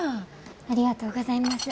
ありがとうございます。